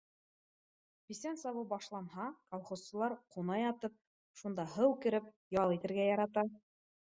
Бесән сабыу башланһа, колхозсылар, ҡуна ятып, шунда һыу кереп, ял итергә ярата